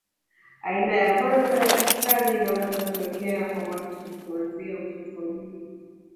Aina ya kwanza ya kisukari inaweza kutokea kwa watu kuanzia utotoni